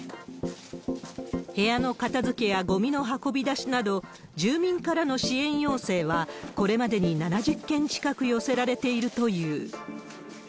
部屋の片づけやごみの運び出しなど、住民からの支援要請はこれまでに７０件近く寄せられているという。